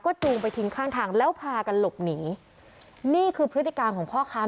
จูงไปทิ้งข้างทางแล้วพากันหลบหนีนี่คือพฤติการของพ่อค้า